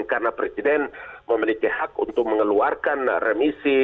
karena presiden memiliki hak untuk mengeluarkan remisi